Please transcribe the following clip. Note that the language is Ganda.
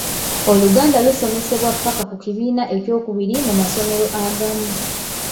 Oluganda lusomesebwa ppaka ku kibiina eky'okubiri mu masomero agamu.